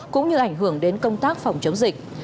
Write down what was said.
cũng như ảnh hưởng đến công tác phòng chống dịch